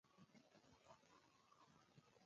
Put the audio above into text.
ګزارش باید نیټه او لاسلیک ولري.